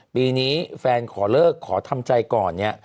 ปีนี้แฟนขอเลิกขอทำใจก่อนเนี่ย